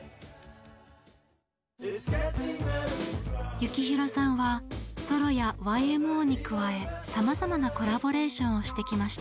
幸宏さんはソロやＹＭＯに加えさまざまなコラボレーションをしてきました。